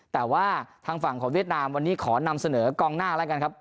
แต่ว่าทางฝั่งของเวียดนามวันนี้ขอนำเสนอกองหน้าแล้วกันครับ